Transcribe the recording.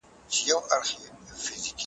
سرکونه د ملت شتمني ده.